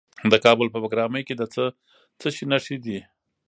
د کابل په بګرامي کې د څه شي نښې دي؟